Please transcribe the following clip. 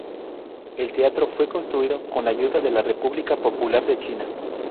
El teatro fue construido con la ayuda de la República Popular de China.